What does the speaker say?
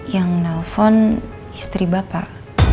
yang nelfon istri bapak